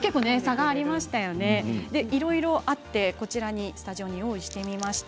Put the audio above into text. いろいろあってスタジオに用意してみました。